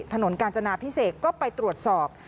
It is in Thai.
กาญจนาพิเศษก็ไปตรวจสอบ